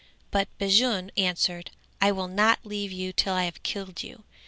But Bajun answered, "I will not leave you till I have killed you."